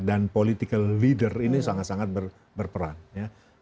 dan political leader ini sangat sangat berperan